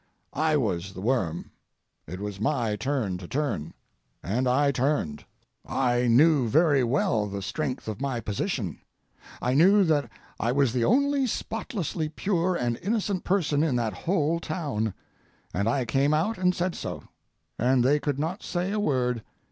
I was the worm; it was my turn to turn, and I turned. I knew very well the strength of my position; I knew that I was the only spotlessly pure and innocent person in that whole town, and I came out and said so: And they could not say a word.